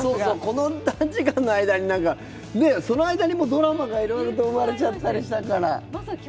この短時間の間になんかその間にもドラマがいろいろと生まれちゃったりしたから。